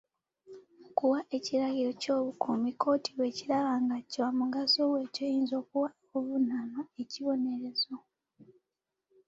Mu kuwa ekiragiro ky'obukuumi, kkooti bw'ekiraba nga kya mugaso ,bwetyo eyinza okuwa omuvunaanwa ekibonerezo.